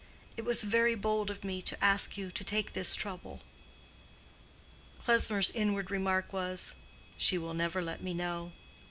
It was very bold of me to ask you to take this trouble." Klesmer's inward remark was, "She will never let me know."